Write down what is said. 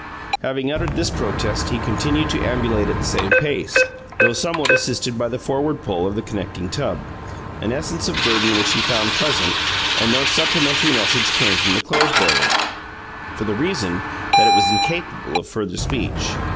Having uttered this protest, he continued to ambulate at the same pace, though somewhat assisted by the forward pull of the connecting tub, an easance of burden which he found pleasant; and no supplementary message came from the clothes boiler, for the reason that it was incapable of further speech.